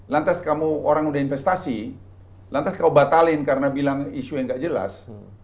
lantas kamu orang udah investasi lantas kamu batalin karena bilang isu yang gak jelas